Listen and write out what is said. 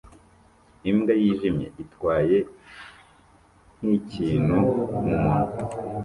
Imbwa yijimye itwaye nkikintu mumunwa